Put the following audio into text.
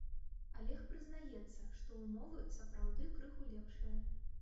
Алег прызнаецца, што ўмовы сапраўды крыху лепшыя.